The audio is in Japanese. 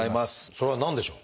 それは何でしょう？